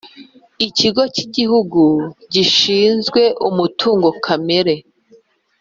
Ikigo cy’Igihugu gishinzwe Umutungo Kamere